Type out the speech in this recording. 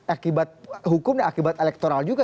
akibat hukum dan akibat elektoral juga